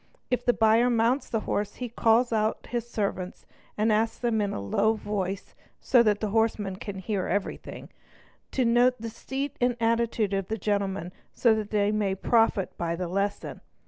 If the — buyer mounts the horse, he calls out his servants and asks them in a low — voice but so that the horseman can hear everything, to note the seat and — attitude of the gentleman so that they may " profit by the lesson "'.